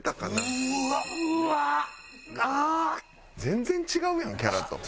全然違うやんキャラと。